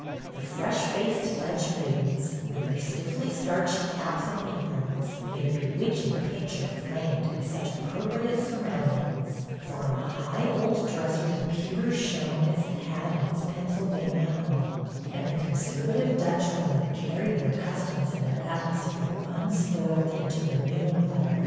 The fresh faced Dutch maidens, with their stiffly starched caps and aprons, made a be witching picture framed in such appropriate surroundings, for on the high old dresser the pewter shone as it had in its Pennsylvania home, and the conservative Dutch women carried their customs and their atmosphere unspoiled into their new environment.